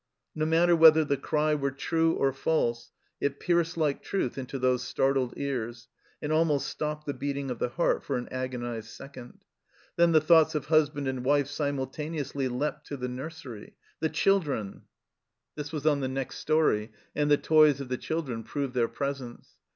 No matter whether the cry were true or false, it pierced like truth into those startled ears, and almost stopped the beating of the heart for an agonized second. Then the thoughts of husband and wife simultaneously leapt to the nursery. " The children !" 68 THE CELLAR HOUSE OF PERVYSE This was on the next storey, and the toys of the children proved their presence.